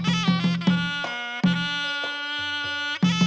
จะฆ่าฆ่าพวกนั้นหลัก